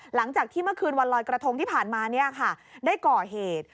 หลังจากที่เมื่อคืนวันลอยกระทงที่ผ่านมาได้ก่อเหตุ